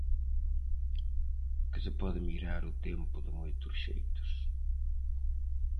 Que se pode mirar o tempo de moitos xeitos.